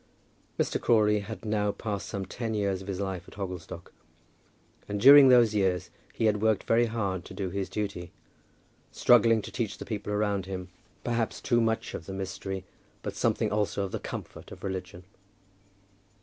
Mr. Crawley had now passed some ten years of his life at Hogglestock; and during those years he had worked very hard to do his duty, struggling to teach the people around him perhaps too much of the mystery, but something also of the comfort, of religion.